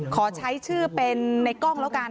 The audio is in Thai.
ขอใช้ชื่อเป็นในกล้องแล้วกัน